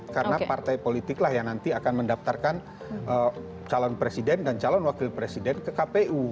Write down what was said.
karena partai politik lah yang nanti akan mendaftarkan calon presiden dan calon wakil presiden ke kpu